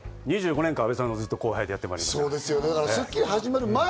２５年間、阿部さんの後輩でやってきました。